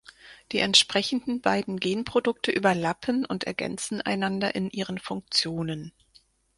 Die entsprechenden beiden Genprodukte überlappen und ergänzen einander in ihren Funktionen.